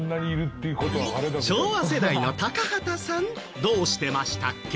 昭和世代の高畑さんどうしてましたっけ？